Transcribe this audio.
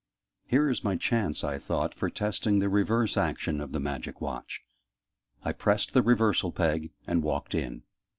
"Here is my chance," I thought, "for testing the reverse action of the Magic Watch!" I pressed the 'reversal peg' and walked in.